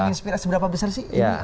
bisa menginspirasi berapa besar sih